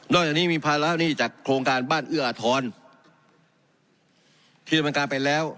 นอกจากนี้มีภาระนี้จากโครงการบ้านเอื้ออทรที่บรรการไปแล้ว